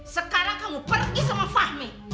sekarang kamu pergi sama fahmi